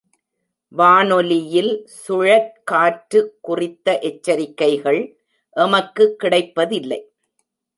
வானொலியில் சுழற்காற்று குறித்த எச்சரிக்கைகள் எமக்கு கிடைப்பதில்லை.